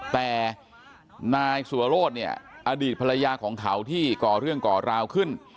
แต่นายสัวโรธเนี่ยอดีตภรรยาของเขาที่ก่อเรื่องก่อราวขึ้น